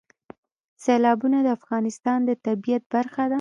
سیلابونه د افغانستان د طبیعت برخه ده.